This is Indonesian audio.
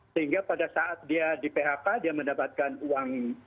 sehingga pada saat dia di phk dia mendapatkan uang